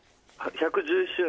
１１０周年。